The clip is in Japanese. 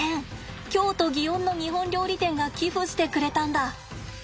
京都園の日本料理店が寄付してくれたんだ。